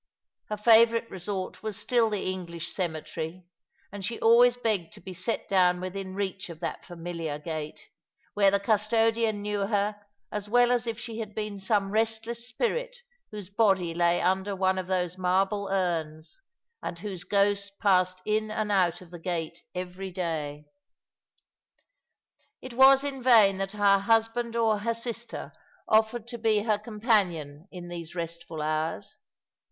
Her favourite resort was still the English cemetery, and she always begged to be set down within reach of that familiar gate, where the custodian knew her as well as if she had been some restless spirit whose body lay under one of those marble urns, and whoso ghost passed in and out of the gate eyery day. It wag in vain that hor husband or her sister offered to bQ 270 All along the River, her companion in these restful hours.